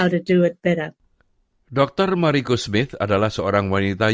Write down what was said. untuk menunjukkan kepada mereka cara melakukan hal ini dengan lebih baik